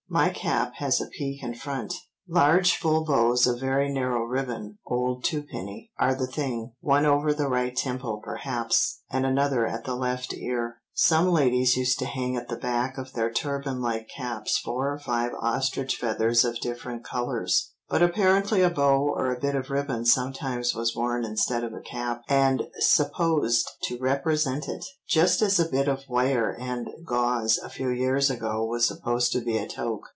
My cap has a peak in front. Large full bows of very narrow ribbon (old twopenny) are the thing. One over the right temple perhaps, and another at the left ear." Some ladies used to hang at the back of their turban like caps four or five ostrich feathers of different colours. But apparently a bow or a bit of ribbon sometimes was worn instead of a cap, and supposed to represent it, just as a bit of wire and gauze a few years ago was supposed to be a toque.